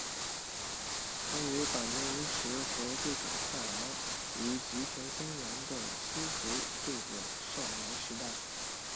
曾与坂田银时和桂小太郎于吉田松阳的私塾度过少年时代。